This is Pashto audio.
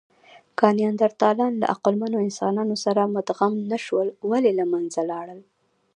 که نیاندرتالان له عقلمنو انسانانو سره مدغم نهشول، ولې له منځه لاړل؟